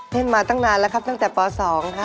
เล่นมาตั้งนานแล้วครับตั้งแต่ป๒ครับ